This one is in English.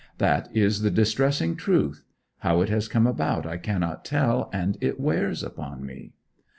That is the distressing truth; how it has come about I cannot tell, and it wears upon me.